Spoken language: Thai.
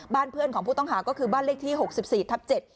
เพื่อนของผู้ต้องหาก็คือบ้านเลขที่๖๔ทับ๗